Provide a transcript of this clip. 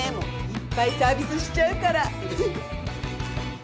いっぱいサービスしちゃうから！